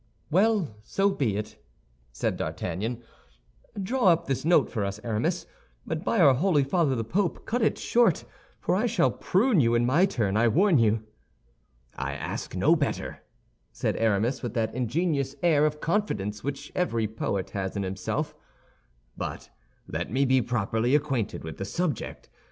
"Well, so be it," said D'Artagnan. "Draw up this note for us, Aramis; but by our Holy Father the Pope, cut it short, for I shall prune you in my turn, I warn you." "I ask no better," said Aramis, with that ingenious air of confidence which every poet has in himself; "but let me be properly acquainted with the subject.